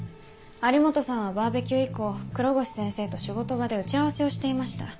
有本さんはバーベキュー以降黒越先生と仕事場で打ち合わせをしていました。